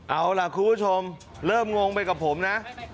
เอาล่ะคุณผู้ชมเริ่มงงไปกับผมนะ